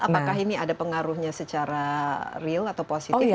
apakah ini ada pengaruhnya secara real atau positif nanti ke depan